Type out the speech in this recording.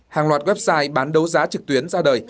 hàng loạt website bán đấu giá trực tuyến ra đời